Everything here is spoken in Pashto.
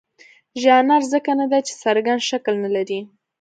ژانر ځکه نه دی چې څرګند شکل نه لري.